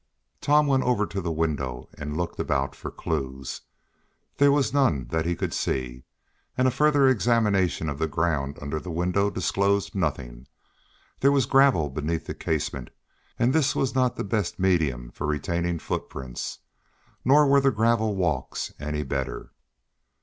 Tom went over to the window and looked about for clues. There was none that he could see, and a further examination of the ground under the window disclosed nothing. There was gravel beneath the casement, and this was not the best medium for retaining footprints. Nor were the gravel walks any better.